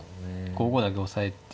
５五だけ押さえて。